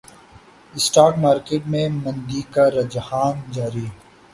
stock market میں مندی کا رجحان جاری